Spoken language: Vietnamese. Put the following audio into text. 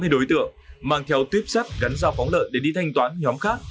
tám mươi đối tượng mang theo tuyếp sắt gắn giao phóng lợn để đi thanh toán nhóm khác